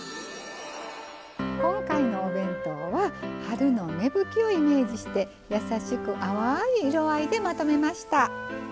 今回のお弁当は春の芽吹きをイメージして優しく淡い色合いでまとめました。